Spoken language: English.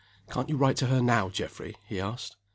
"Can't you write to her now, Geoffrey?" he asked.